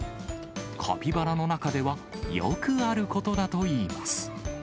カピバラの中では、よくあることだといいます。